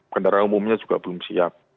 kendaraan umumnya juga belum siap